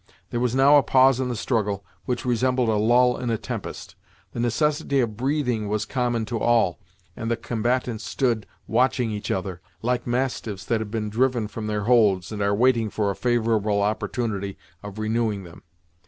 There was now a pause in the struggle, which resembled a lull in a tempest. The necessity of breathing was common to all, and the combatants stood watching each other, like mastiffs that have been driven from their holds, and are waiting for a favorable opportunity of renewing them.